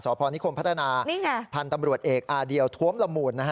สพนิคมพัฒนาพันธ์ตำรวจเอกอเดียวทวมละหมุน